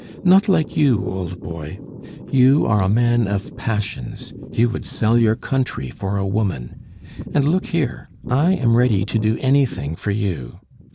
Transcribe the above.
"Not like you, old boy. You are a man of passions; you would sell your country for a woman. And, look here, I am ready to do anything for you!